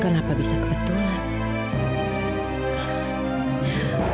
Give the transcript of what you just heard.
kenapa bisa kebetulan